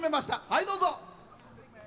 はいどうぞ。